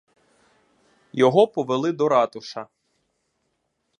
Його повели до ратуша.